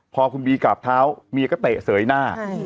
พอคุณบีกราบเท้าเมียก็เตะเสยหน้า